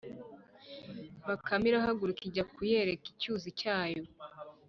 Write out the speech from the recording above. bakame irahaguruka ijya kuyereka icyuzi cyayo